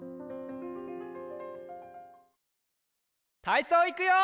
たいそういくよ！